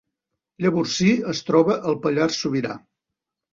Llavorsí es troba al Pallars Sobirà